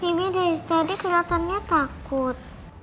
mimi dari tadi keliatannya takut